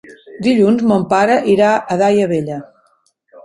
Dilluns mon pare irà a Daia Vella.